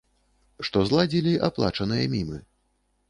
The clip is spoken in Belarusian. Што зладзілі аплачаныя мімы.